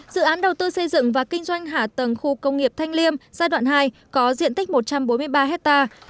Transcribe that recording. dự án đầu tư xây dựng và kinh doanh hạ tầng khu công nghiệp thanh liêm giai đoạn hai có diện tích một trăm bốn mươi ba hectare